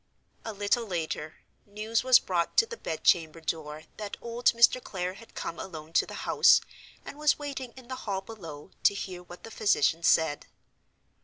A little later, news was brought to the bed chamber door that old Mr. Clare had come alone to the house, and was waiting in the hall below, to hear what the physician said.